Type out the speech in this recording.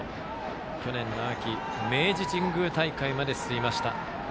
去年の秋明治神宮大会まで進みました。